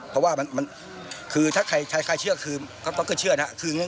เพราะว่าคือถ้าใครเชื่อก็ต้องก็เชื่อนะครับ